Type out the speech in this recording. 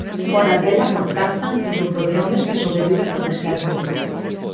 Fóra dela contactan cun grupo de homes que sobreviven no deserto.